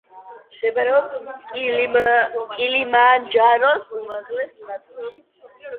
მდებარეობს კილიმანჯაროს უმაღლეს ნაწილში.